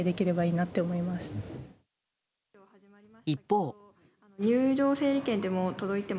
一方。